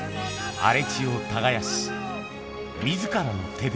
荒れ地を耕し、みずからの手で。